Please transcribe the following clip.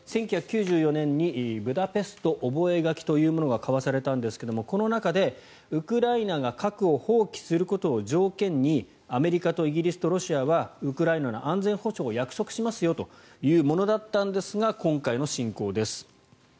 １９９４年にブダペスト覚書というものが交わされたんですがこの中で、ウクライナが核を放棄することを条件にアメリカとイギリスとロシアはウクライナの安全保障を約束しますよというものだったんですが今回の侵攻です。